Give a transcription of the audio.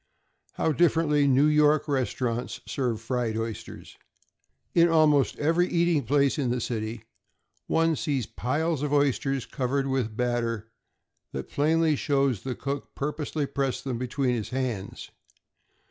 How differently New York restaurants serve fried oysters! In almost every eating place in the city, one sees piles of oysters covered with a batter that plainly shows the cook purposely pressed them between his hands.